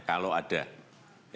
kalau ada silahkan